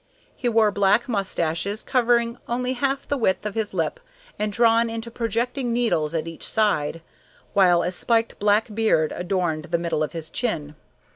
He wore black mustaches, covering only half the width of his lip and drawn into projecting needles on each side, while a spiked black beard adorned the middle of his chin.